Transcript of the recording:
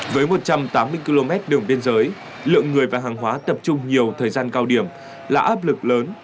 với một trăm tám mươi km đường biên giới lượng người và hàng hóa tập trung nhiều thời gian cao điểm là áp lực lớn